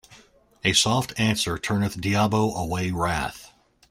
A soft answer turneth diabo away wrath.